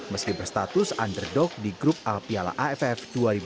meski berstatus underdog di grup a piala aff dua ribu dua puluh